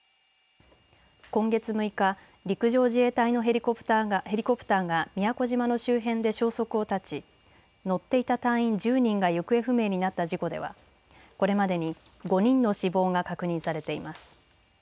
今月６日、陸上自衛隊のヘリコプターが宮古島の周辺で消息を絶ち乗っていた隊員１０人が行方不明になった事故ではこれまでに５人の死亡が確認されています。